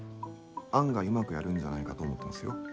案外うまくやるんじゃないかと思ってますよ。